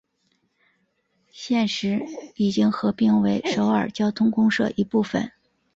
现时已经合并为首尔交通公社一部分。